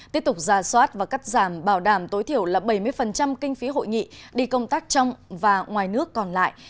tiếp tục giả soát và cắt giảm bảo đảm tối thiểu là bảy mươi kinh phí hội nghị đi công tác trong và ngoài nước còn lại